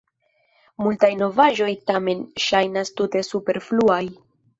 Multaj novaĵoj, tamen, ŝajnas tute superfluaj.